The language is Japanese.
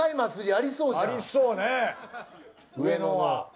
ありそうね上野は。